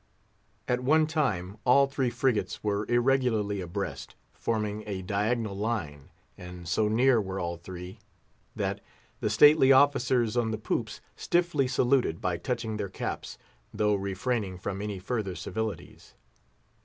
At one time, all three frigates were irregularly abreast, forming a diagonal line; and so near were all three, that the stately officers on the poops stiffly saluted by touching their caps, though refraining from any further civilities.